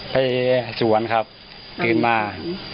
ไปสวนครับตื่นมา